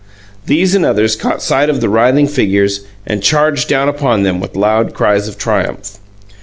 These and others caught sight of the writhing figures, and charged down upon them with loud cries of triumph.